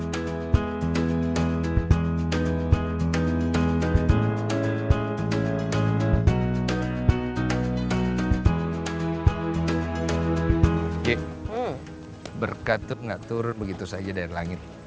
jika berkatut tidak menolong dengan baik saja dari langit